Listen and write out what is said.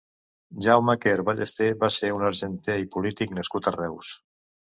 Jaume Quer Ballester va ser un argenter i polític nascut a Reus.